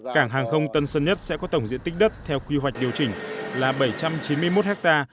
cảng hàng không tân sơn nhất sẽ có tổng diện tích đất theo quy hoạch điều chỉnh là bảy trăm chín mươi một ha